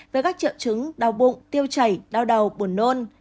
với các triệu chứng đau bụng tiêu chảy đau đầu buồn nôn